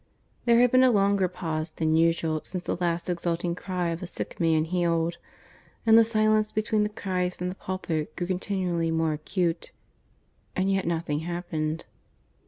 There had been a longer pause than usual since the last exulting cry of a sick man healed; and the silence between the cries from the pulpit grew continually more acute. And yet nothing happened.